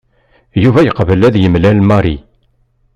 Yuba yeqbel ad yemlal Mary.